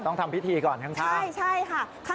ต้องทำพิธีก่อนข้างใช่ใช่ค่ะ